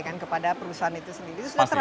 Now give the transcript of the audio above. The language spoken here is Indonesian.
kepada perusahaan itu sendiri itu sudah terasa